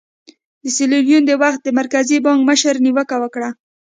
د سیریلیون د وخت د مرکزي بانک مشر نیوکه وکړه.